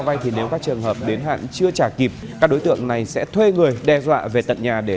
vay thì nếu các trường hợp đến hạn chưa trả kịp các đối tượng này sẽ thuê người đe dọa về tận nhà để